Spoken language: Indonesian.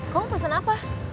kamu pesen apa